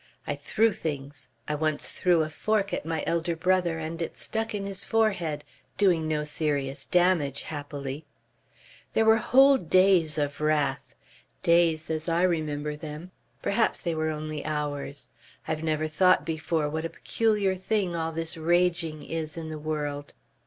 I threw things. I once threw a fork at my elder brother and it stuck in his forehead, doing no serious damage happily. There were whole days of wrath days, as I remember them. Perhaps they were only hours.... I've never thought before what a peculiar thing all this raging is in the world.